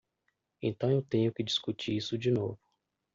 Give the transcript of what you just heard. Então eu tenho que discutir isso de novo.